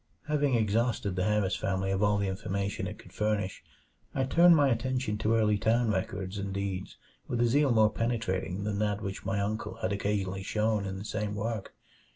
Having exhausted the Harris family of all the information it could furnish, I turned my attention to early town records and deeds with a zeal more penetrating than that which my uncle had occasionally shown in the same work.